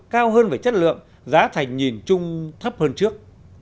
cao hơn về chất lượng giá thành nhìn chung thấp hơn trước